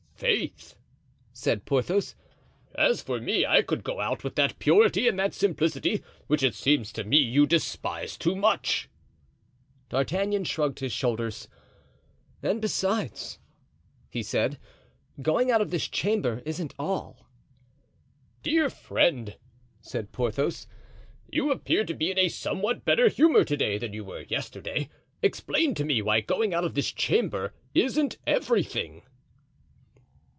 "Faith!" said Porthos, "as for me, I could go out with that purity and that simplicity which it seems to me you despise too much." D'Artagnan shrugged his shoulders. "And besides," he said, "going out of this chamber isn't all." "Dear friend," said Porthos, "you appear to be in a somewhat better humor to day than you were yesterday. Explain to me why going out of this chamber isn't everything."